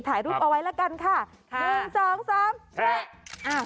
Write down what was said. ถ่ายรูปเอาไว้แล้วกันค่ะ๑๒๓แพะ